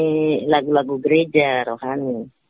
cuma menyanyi lagu lagu gereja rohani